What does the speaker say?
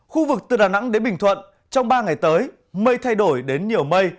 khu vực từ đà nẵng đến bình thuận trong ba ngày tới mây thay đổi đến nhiều mây